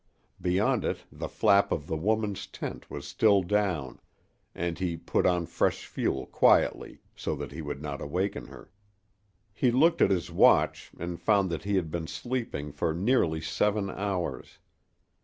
Beyond it the flap of the woman's tent was still down, and he put on fresh fuel quietly, so that he would not awaken her. He looked at his watch and found that he had been sleeping for nearly seven hours.